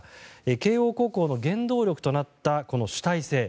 慶応高校の原動力となったこの主体性。